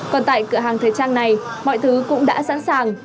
còn tại cửa hàng thời trang này mọi thứ cũng đã sẵn sàng